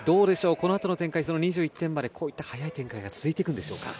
このあとの展開２１点までこういった速い展開が続いていくんでしょうか。